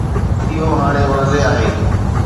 اهو هاڻي واضح آهي.